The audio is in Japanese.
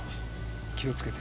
気をつけて。